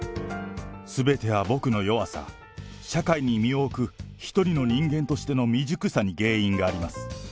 すべては僕の弱さ、社会に身を置く１人の人間としての未熟さに原因があります。